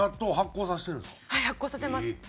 はい発酵させます。